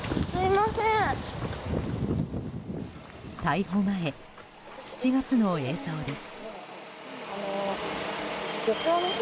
逮捕前、７月の映像です。